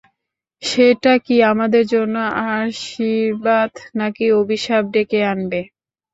সেটা কী আমাদের জন্য আশীর্বাদ নাকি অভিশাপ ডেকে আনবে!